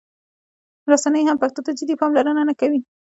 رسنۍ هم پښتو ته جدي پاملرنه نه کوي.